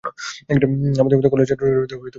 আমাদের মতো কলেজ ছাত্রদের জন্য বড় অভিশাপ।